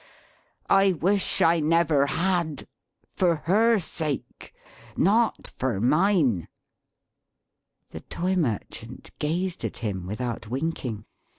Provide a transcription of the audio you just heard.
I wish I never had! For her sake; not for mine!" The Toy Merchant gazed at him, without winking.